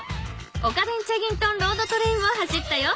おかでんチャギントンロードトレインも走ったよ。